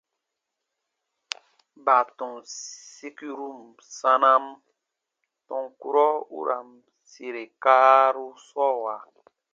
Baatɔn sikuru sanam tɔn kurɔ u ra n sire kaaru sɔɔwa.